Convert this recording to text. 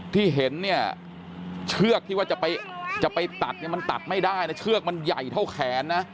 ที่เห็นเชือกที่ว่าจะไปตัดมันตัดไม่ได้เชือกมันใหญ่เท่าแขนนะ